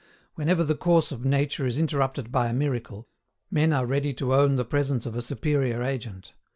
Whenever the course of nature is interrupted by a miracle, men are ready to own the presence of a superior agent.